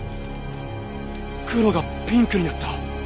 黒がピンクになった！